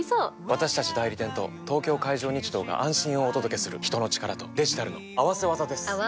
私たち代理店と東京海上日動が安心をお届けする人の力とデジタルの合わせ技です！